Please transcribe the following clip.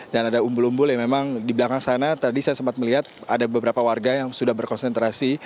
dan ada umbul umbul yang memang di belakang sana tadi saya sempat melihat ada beberapa warga yang sudah berkonsentrasi